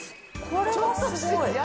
これはすごい。